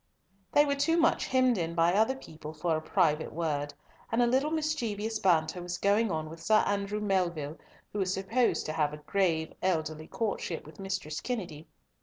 They were too much hemmed in by other people for a private word, and a little mischievous banter was going on with Sir Andrew Melville, who was supposed to have a grave elderly courtship with Mistress Kennedy.